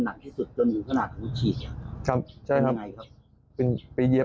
ต้นหนักที่สุดต้นอยู่ขนาดหูฉีกจากครั้งใช่ครับเป็นยังไงครับ